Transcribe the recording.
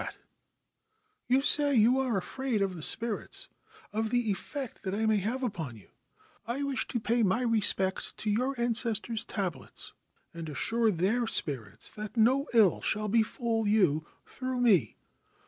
309 Ancient Tales and Folklore of Japan 'You say you are afraid of the spirits, of the effect that I may have upon you. I wish to pay my respects to your ancestors' tablets and assure their spirits that no ill shall befall you through me.